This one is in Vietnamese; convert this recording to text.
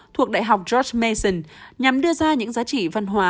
thuộc đại học george mason nhằm đưa ra những giá trị văn hóa